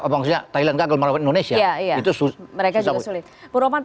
thailand gagal lawan indonesia